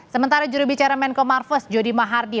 sementara jurubicara menko marves jody mahardi